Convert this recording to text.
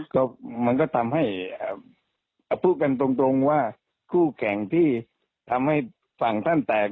ก็มันก็ทำให้พูดกันตรงว่าคู่แข่งที่ทำให้ฝั่งท่านแตก